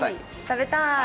食べたい。